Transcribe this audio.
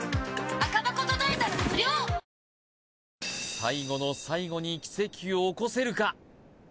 最後の最後に奇跡を起こせるか？